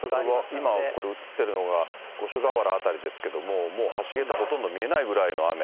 今、これ映っているのが五所川原辺りですけれども、もう橋桁、ほとんど見えないぐらいの雨。